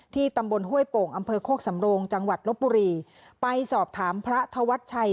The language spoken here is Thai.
ตำบลห้วยโป่งอำเภอโคกสำโรงจังหวัดลบบุรีไปสอบถามพระธวัชชัย